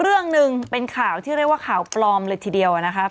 เรื่องหนึ่งเป็นข่าวที่เรียกว่าข่าวปลอมเลยทีเดียวนะครับ